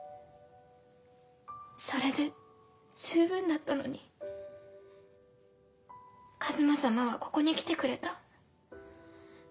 それで十分だったのに一馬様はここに来てくれた。